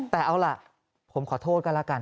แต่เอาล่ะผมขอโทษก็แล้วกัน